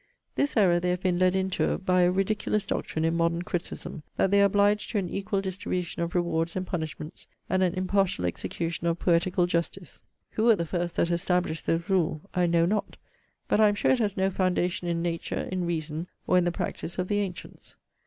'This error they have been led into by a ridiculous doctrine in modern criticism, that they are obliged to an equal distribution of rewards and punishments, and an impartial execution of poetical justice. 'Who were the first that established this rule, I know not; but I am sure it has no foundation in NATURE, in REASON, or in the PRACTICE OF THE ANTIENTS.